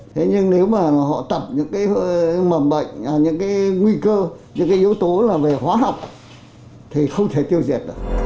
thế nhưng nếu mà họ tập những cái mầm bệnh những cái nguy cơ những cái yếu tố là về hóa học thì không thể tiêu diệt được